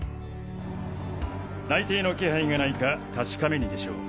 内偵の気配がないか確かめにでしょう。